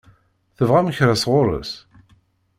Tebɣam kra sɣur-s?